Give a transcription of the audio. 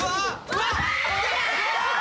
うわ！